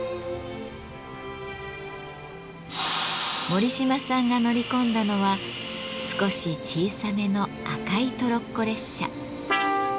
森島さんが乗り込んだのは少し小さめの赤いトロッコ列車。